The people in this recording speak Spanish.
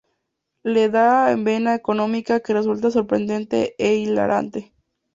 Le da esa vena cómica que resulta sorprendente e hilarante.